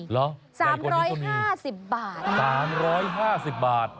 หรอสามร้อยห้าสิบบาทสามร้อยห้าสิบบาท